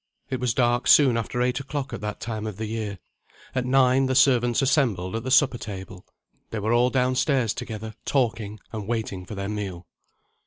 It was dark soon after eight o'clock, at that time of the year. At nine the servants assembled at the supper table. They were all downstairs together, talking, and waiting for their meal.